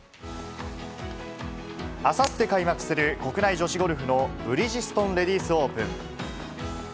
あさって開幕する国内女子ゴルフのブリヂストンレディスオープン。